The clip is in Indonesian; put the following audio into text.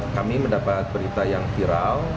kami mendapat berita yang viral